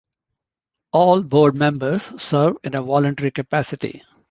All board members serve in a voluntary capacity.